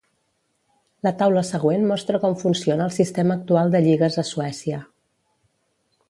La taula següent mostra com funciona el sistema actual de lligues a Suècia.